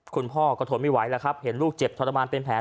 คุณพ่อก็ทนไม่ไหวแล้วครับเห็นลูกเจ็บทรมานเป็นแผล